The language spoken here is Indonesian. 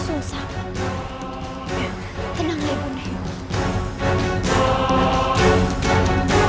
tuhan yang terbaik